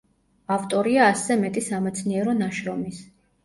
ავტორია ასზე მეტი სამეცნიერო ნაშრომის.